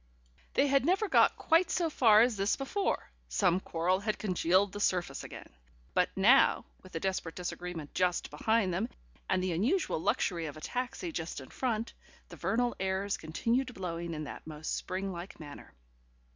... They had never got quite so far as this before: some quarrel had congealed the surface again. But now, with a desperate disagreement just behind them, and the unusual luxury of a taxi just in front, the vernal airs continued blowing in the most spring like manner.